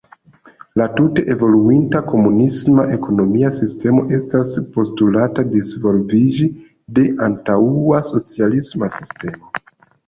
La tute evoluinta komunisma ekonomia sistemo estas postulata disvolviĝi de antaŭa socialisma sistemo.